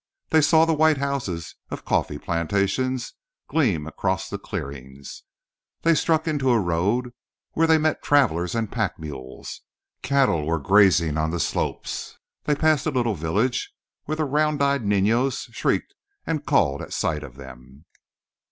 They saw the white houses of coffee plantations gleam across the clearings. They struck into a road where they met travellers and pack mules. Cattle were grazing on the slopes. They passed a little village where the round eyed niños shrieked and called at sight of them.